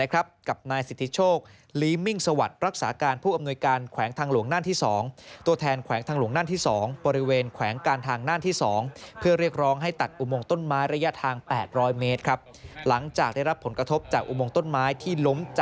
กำหน้าสิทธิโชคลีมิงศวรรษ์รักษาการผู้อำนวยการแขวงทางหลวงน่านที่๒